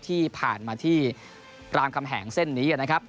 ที่ผ่านมาที่รามคำแหงเส้นนี้นะครับ